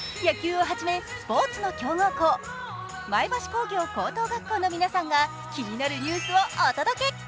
野球をはじめスポーツの強豪校、前橋工業高等学校の皆さんが、気になるニュースをお届け。